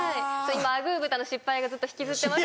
今アグー豚の失敗がずっと引きずってます。